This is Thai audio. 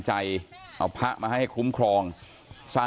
แล้วอันนี้ก็เปิดแล้ว